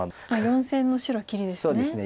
４線の白切りですね。